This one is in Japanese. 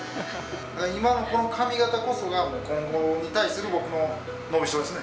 今のこの髪形こそが、今後に対する僕の伸びしろですね。